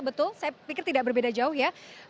betul saya pikir tidak berbeda jauh ya